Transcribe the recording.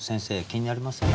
気になりません？